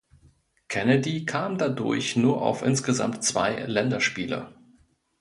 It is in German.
Kennedy kam dadurch nur auf insgesamt zwei Länderspiele.